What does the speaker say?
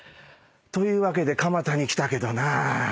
というわけで蒲田に来たけどな。